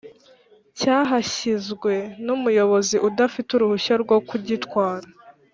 Cyahashyizwe n’umuyobozi udafite uruhushya rwo kugitwara